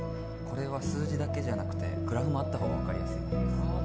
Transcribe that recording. これは数字だけじゃなくてグラフもあった方が分かりやすいかもですあ